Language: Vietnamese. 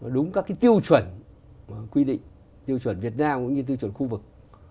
đúng các tiêu chuẩn quy định tiêu chuẩn việt nam cũng như tiêu chuẩn khu vực